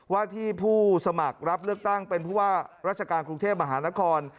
ว่าที่ผู้สมัครรับเลือกตั้งเป็นผู้ว่าราชการกรุงเทพมหานคร